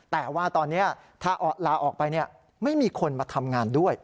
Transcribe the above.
แต่ว่าตอนนี้ถ้าลาออกไปไม่มีคนมาทำงานด้วย